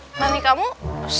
nami kamu suka gitu bener